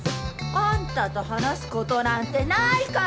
あんたと話すことなんてないから！